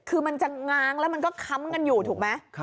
คือมันจะง้างแล้วมันก็ค้ำกันอยู่ถูกไหม